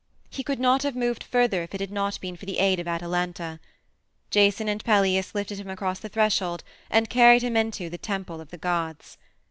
He could not have moved further if it had not been for the aid of Atalanta. Jason and Peleus lifted him across the threshold and carried him into the temple of the gods.